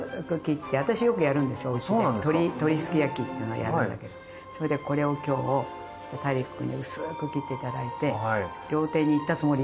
鶏すき焼きっていうのをやるんだけどこれを今日ＴＡＩＲＩＫ君に薄く切っていただいて料亭に行ったつもり。